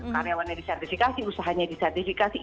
karyawannya disertifikasi usahanya disertifikasi